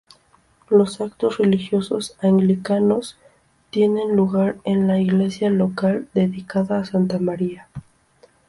Los actos religiosos anglicanos, tienen lugar en la iglesia local dedicada a Santa María.